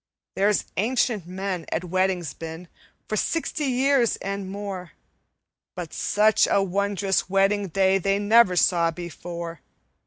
"There's ancient men at weddings been, For sixty years and more, But such a wondrous wedding day, They never saw before.